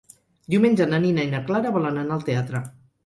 Diumenge na Nina i na Clara volen anar al teatre.